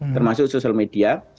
termasuk sosial media